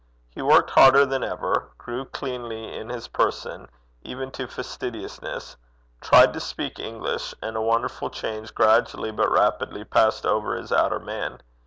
He worked harder than ever; grew cleanly in his person, even to fastidiousness; tried to speak English; and a wonderful change gradually, but rapidly, passed over his outer man.